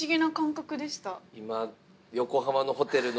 今。